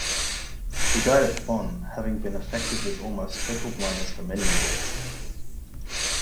He died at Bonn, having been affected with almost total blindness for many years.